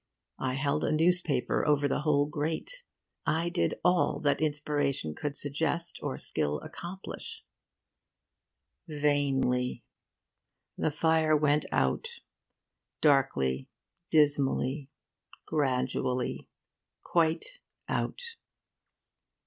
I held a newspaper over the whole grate. I did all that inspiration could suggest, or skill accomplish. Vainly. The fire went out darkly, dismally, gradually, quite out.